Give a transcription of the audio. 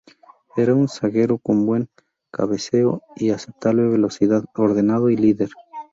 Era un zaguero con buen cabeceo y aceptable velocidad, ordenado y líder.